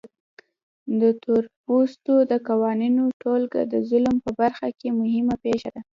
د تورپوستو د قوانینو ټولګه د ظلم په برخه کې مهمه پېښه ده.